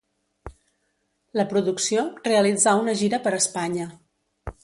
La producció realitzà una gira per Espanya.